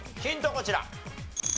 こちら。